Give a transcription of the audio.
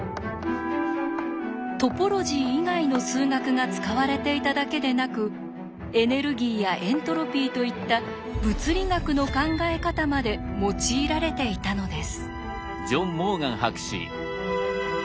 トポロジー以外の数学が使われていただけでなくエネルギーやエントロピーといった「物理学」の考え方まで用いられていたのです。